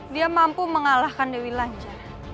dia mampu mengalahkan dewi lancar